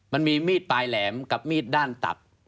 มันมีมีดปลายแหลมกับมีดด้านตับ